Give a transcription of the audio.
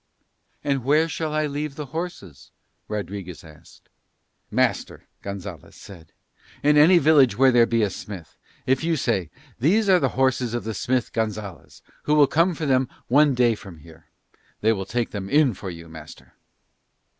"And where shall I leave the horses?" Rodriguez asked. "Master," Gonzalez said, "in any village where there be a smith, if you say 'these are the horses of the smith Gonzalez, who will come for them one day from here,' they will take them in for you, master."